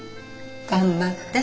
頑張って。